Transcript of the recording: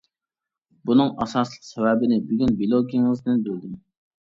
بۇنىڭ ئاساسلىق سەۋەبىنى بۈگۈن بىلوگىڭىزدىن بىلدىم.